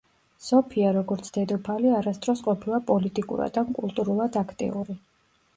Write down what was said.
სოფია, როგორც დედოფალი არასდროს ყოფილა პოლიტიკურად ან კულტურულად აქტიური.